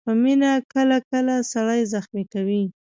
خو مینه کله کله سړی زخمي کوي.